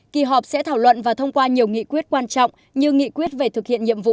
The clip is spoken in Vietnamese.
kỳ họp sẽ thảo luận và thông qua nhiều nghị quyết quan trọng như nghị quyết về thực hiện nhiệm vụ